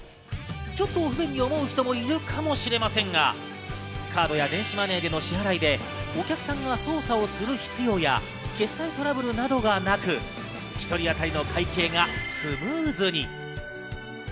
ちょっと不便に思う人もいるかもしれませんが、カードや電子マネーでの支払いでお客さんが操作をする必要や決済トラブルなどがなく、１人当たりの会計がスムーズに。